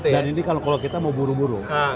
dan ini kalau kita mau buru buru